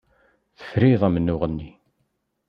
Tefrid amennuɣ-nni.